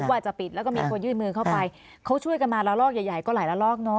ว่าจะปิดแล้วก็มีคนยื่นมือเข้าไปเขาช่วยกันมาละลอกใหญ่ใหญ่ก็หลายละลอกเนอ